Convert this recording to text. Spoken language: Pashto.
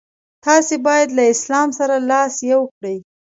تاسي باید له اسلام سره لاس یو کړئ.